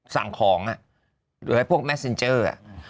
สั่งของหรือให้พวกแมสเซ็นเจอร์